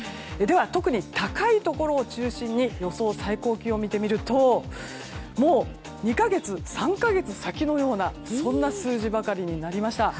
特に高いところを中心に予想最高気温を見るともう２か月、３か月先のようなそんな数字ばかりになりました。